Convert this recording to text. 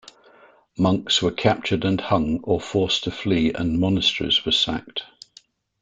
Monks were captured and hung or forced to flee and Monasteries were sacked.